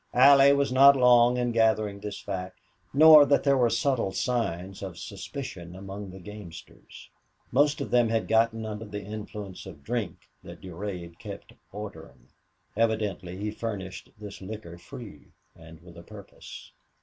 Allie was not long in gathering this fact, nor that there were subtle signs of suspicion among the gamesters. Most of them had gotten under the influence of drink that Durade kept ordering. Evidently he furnished this liquor free and with a purpose.